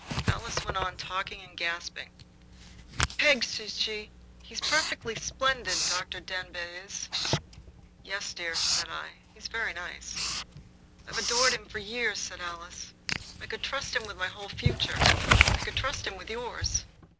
Alice went on talking and gasping. "Peg," she said, "he's perfectly splendid Dr. Denbigh is." "Yes, dear," said I, "he's very nice." "I've adored him for years," said Alice. "I could trust him with my whole future. I could trust him with yours."